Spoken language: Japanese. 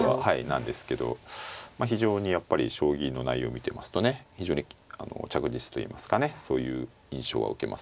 なんですけど非常にやっぱり将棋の内容を見てますとね非常に着実といいますかねそういう印象は受けますよね。